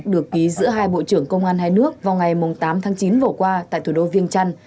được ký giữa hai bộ trưởng công an hai nước vào ngày tám tháng chín vừa qua tại thủ đô viêng trăn